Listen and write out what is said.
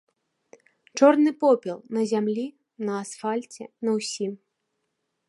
Чорны попел на зямлі, на асфальце, на ўсім.